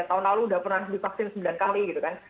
tahun lalu udah pernah divaksin sembilan kali gitu kan